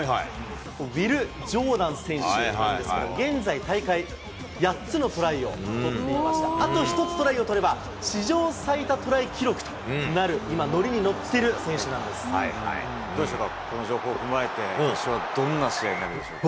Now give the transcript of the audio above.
ウィル・ジョーダン選手ですけれども、現在、大会、８つのトライを取っていまして、あと１つトライを取れば、史上最多トライ記録となる、今、乗りにどうですか、この情報を踏まえて、どんな試合になるでしょうか。